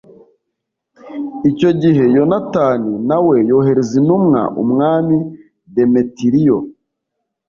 icyo gihe, yonatani na we yoherereza intumwa umwami demetiriyo